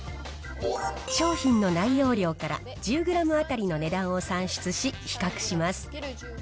商品の内容量から、１０グラム当たりの値段を算出し、比較します。